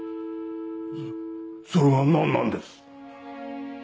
そそれが何なんです？